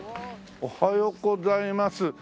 おはようございます。